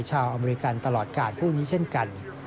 อเมริกันตลอดกาลผู้นี้เช่นกัน